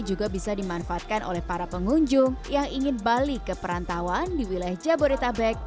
juga bisa dimanfaatkan oleh para pengunjung yang ingin balik ke perantauan di wilayah jabodetabek